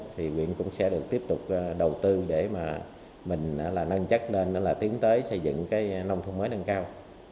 thì quyền cũng sẽ được tiếp tục đầu tư để mình nâng chắc lên tiến tới xây dựng nông thôn mới nâng cao